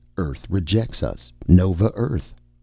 'Earth rejects us.' Nova Earth!